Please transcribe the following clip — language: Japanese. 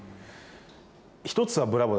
１つはブラボー！